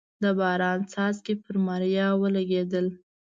د باران څاڅکي پر ماريا ولګېدل.